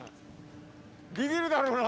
ビビるだろうな。